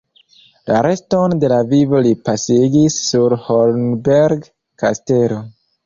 La reston de la vivo li pasigis sur Hornberg-kastelo.